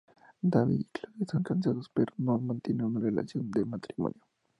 David y Claudia están casados, pero no mantienen una relación de matrimonio.